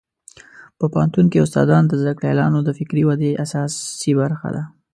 په پوهنتون کې استادان د زده کړیالانو د فکري ودې اساسي برخه ده.